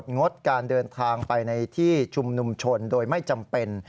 งดการเดินทางไปในที่ชุมนุมชนโดยไม่จำเป็น